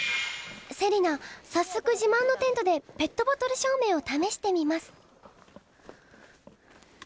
セリナさっそく自慢のテントでペットボトル照明をためしてみます。